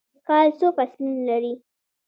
کال څو فصلونه لري؟